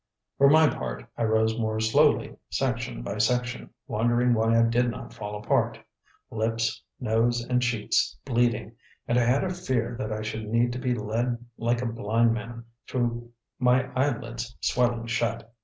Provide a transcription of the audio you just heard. For my part, I rose more slowly, section by section, wondering why I did not fall apart; lips, nose, and cheeks bleeding, and I had a fear that I should need to be led like a blind man, through my eyelids swelling shut.